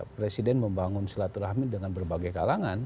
presiden membangun silaturahmi dengan berbagai kalangan